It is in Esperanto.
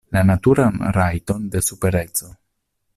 La naturan rajton de supereco.